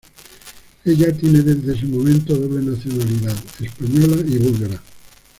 Ella tiene desde ese momento doble nacionalidad: española y búlgara.